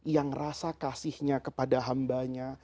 yang rasa kasihnya kepada hambanya